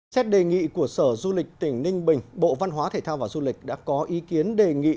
xét đề nghị của sở du lịch tỉnh ninh bình bộ văn hóa thể thao và du lịch đã có ý kiến đề nghị